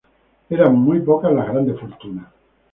Eran muy pocas las grandes fortunas.